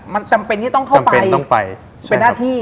มันต้องเข้าไปเป็นหน้าที่